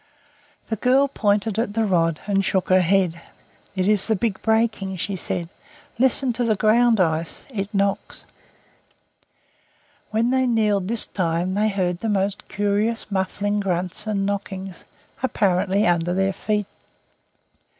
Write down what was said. The girl pointed at the rod, and shook her head. "It is the big breaking," she said. "Listen to the ground ice. It knocks." When they kneeled this time they heard the most curious muffled grunts and knockings, apparently under their feet.